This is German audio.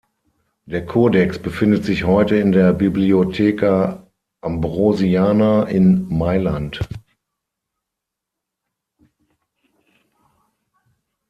Der Codex befindet sich heute in der Biblioteca Ambrosiana in Mailand.